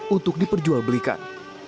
untuk diperjual belikan